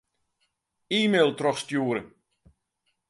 E-mail trochstjoere.